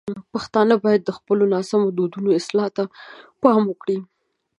پښتانه باید د خپلو ناسم دودونو اصلاح ته پام وکړي.